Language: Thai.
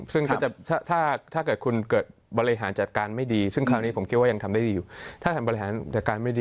ซึ่งถ้าบริหารจัดการไม่ดีก็คือมาต่อการให้เดินไปนานกัน